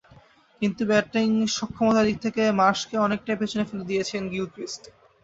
কিন্তু ব্যাটিং সক্ষমতার দিক দিয়ে মার্শকে অনেকটাই পেছনে ফেলে দিয়েছেন গিলক্রিস্ট।